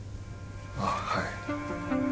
ああはい。